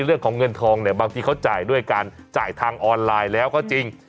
เรื่องของเงินทองเนี่ยบางทีเขาจ่ายด้วยการจ่ายทางออนไลน์แล้วก็จริง